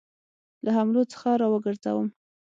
له حملو څخه را وګرځوم.